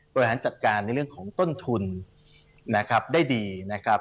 บริหารจัดการในเรื่องของต้นทุนนะครับได้ดีนะครับ